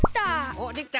おっできた？